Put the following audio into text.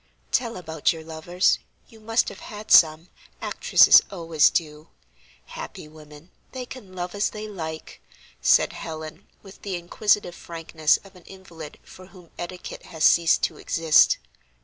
"Tell about your lovers: you must have had some; actresses always do. Happy women, they can love as they like!" said Helen, with the inquisitive frankness of an invalid for whom etiquette has ceased to exist.